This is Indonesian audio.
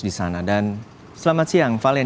di sana dan selamat siang valen